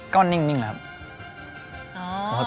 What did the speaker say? ก็นิ่งแหละครับ